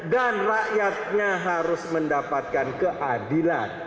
dan rakyatnya harus mendapatkan keadilan